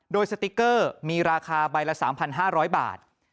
โดยสติ๊กเกอร์มีราคาใบละ๓๕๐๐บาท